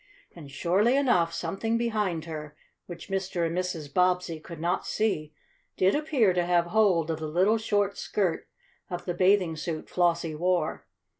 And, surely enough, something behind her, which Mr. and Mrs. Bobbsey could not see, did appear to have hold of the little short skirt of the bathing suit Flossie wore.